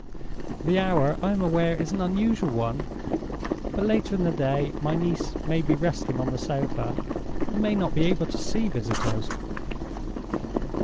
The hour, I am aware, is an unusual one—but later in the day my niece may be resting on the sofa, and may not be able to see visitors."